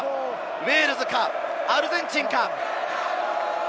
ウェールズかアルゼンチンか？